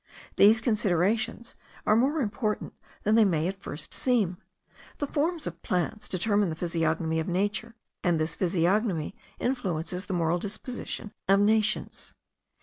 These considerations are more important than they may at first seem. The forms of plants determine the physiognomy of nature; and this physiognomy influences the moral dispositions of nations.